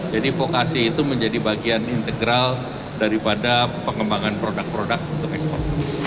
jadi vokasi itu menjadi bagian integral daripada pengembangan produk produk untuk ekspor